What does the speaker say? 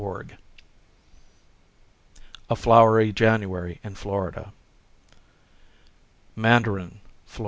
j^ A FLOWERY JANUARY IN FLORIDA. Mandarin, Fla.